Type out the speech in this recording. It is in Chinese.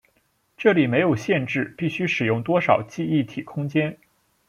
这里没有限制必须使用多少记忆体空间。